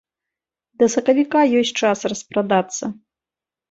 Да сакавіка ёсць час распрадацца.